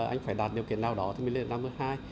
anh phải đạt điều kiện nào đó thì mới lên năm thứ hai